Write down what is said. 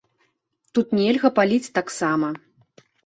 Тут нельга паліць таксама.